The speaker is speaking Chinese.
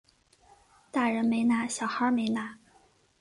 大人没拿小孩没拿